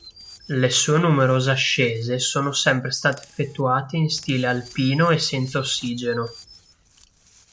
Le sue numerose ascese sono sempre state effettuate in stile alpino e senza ossigeno.